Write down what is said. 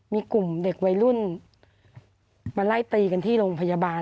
มีกลุ่มเด็กวัยรุ่นมาไล่ตีกันที่โรงพยาบาล